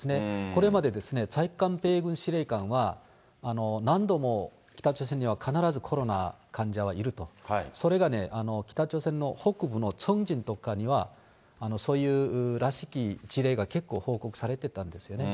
これまで、在韓米軍司令官は、何度も北朝鮮には必ずコロナ患者はいると、それが北朝鮮の北部のチョンジンとかにはそういうらしき事例が結構報告されてたんですよね。